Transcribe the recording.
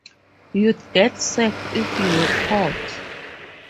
You'd get sacked if you were caught.